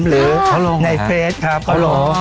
หรือในเฟสครับ